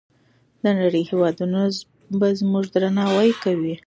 د نړۍ هېوادونه به زموږ درناوی کوي.